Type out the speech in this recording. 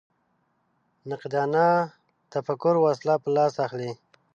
نقادانه تفکر وسله په لاس اخلي